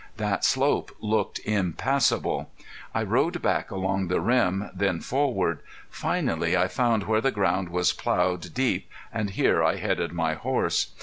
That slope looked impassable. I rode back along the rim, then forward. Finally I found where the ground was plowed deep and here I headed my horse.